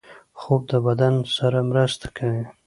خوب د بدن سره مرسته کوي